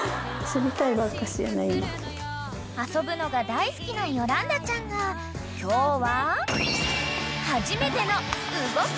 ［遊ぶのが大好きなヨランダちゃんが今日は］